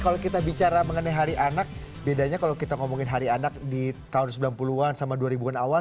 kalau kita bicara mengenai hari anak bedanya kalau kita ngomongin hari anak di tahun sembilan puluh an sama dua ribu an awal